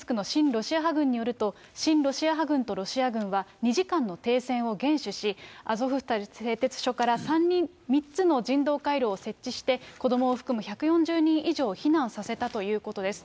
ロシア派軍によると、親ロシア派軍とロシア軍は２時間の停戦を厳守し、アゾフスタリ製鉄所から３つの人道回廊を設置して、子どもを含む１４０人以上を避難させたということです。